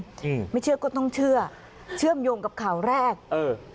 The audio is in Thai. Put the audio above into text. อืมไม่เชื่อก็ต้องเชื่อเชื่อมโยงกับข่าวแรกเออ